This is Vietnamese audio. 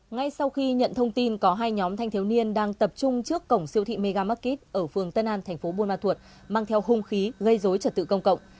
ngay sau khi nhận thông tin có hai nhóm thanh thiếu niên đang tập trung trước cổng siêu thị mega market ở phường tân an thành phố buôn ma thuột mang theo hung khí gây dối trật tự công cộng